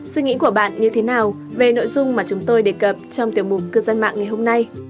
suy nghĩ của bạn như thế nào về nội dung mà chúng tôi đề cập trong tiểu mục cư dân mạng ngày hôm nay